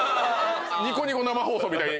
ニコニコ生放送みたいに。